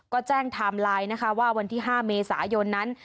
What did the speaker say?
ก็แจ้งไทม์ไลน์นะคะว่าวันที่๕เมษายนนั้น